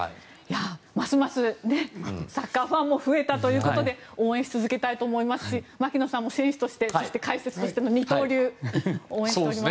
ますますサッカーファンも増えたということで応援し続けたいと思いますし槙野さんも選手として解説としての二刀流応援しております。